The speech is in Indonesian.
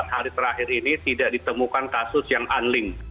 empat hari terakhir ini tidak ditemukan kasus yang unlink